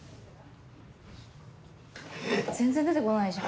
全然出てこないじゃん。